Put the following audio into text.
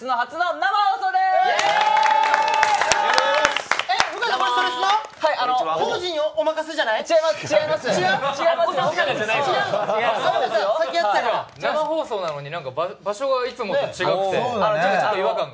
生放送なのに場所がいつもと違くて違和感が。